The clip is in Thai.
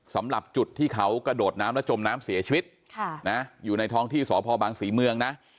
สำหรับจุดที่เขากระโดดน้ำแล้วจมน้ำเสียชีวิตอยู่ในท้องที่สพบังศรีเมืองนะ